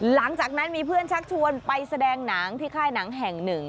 หลังจากนั้นมีเพื่อนชักชวนไปแสดงหนังที่ค่ายหนังแห่งหนึ่ง